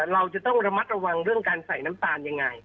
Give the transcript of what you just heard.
เราจะต้องระมัดระวังเรื่องการใส่น้ำตาลยังไง